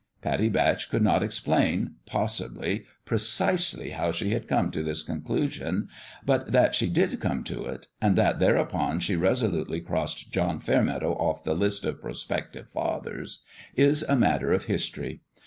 Pattie Batch could not explain, possibly, pre cisely how she had come to this conclusion ; but that she did come to it and that thereupon she resolutely crossed John Fairmeadow off the list of prospective fathers is a matter of history.